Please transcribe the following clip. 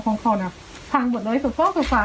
พังหมดเลยสุดฟ้องสุดฟ้า